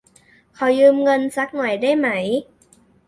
ขอยืมเงินซักหน่อยได้ไหม